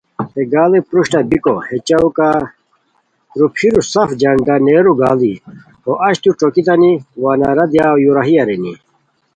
ہے گاڑی پروشٹہ بیکو ہے چوکہ روپھیرو سف جھنڈا نیرو گاڑی ہو اچتو ݯوکیتانی وا نعرہ دیاؤ یو راہی ارینی